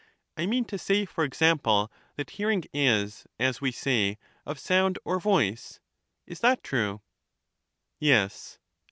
I mean to say, for example, that hearing is, as we say, of soimd or voice. Is that true? Yes.